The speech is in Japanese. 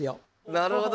なるほど。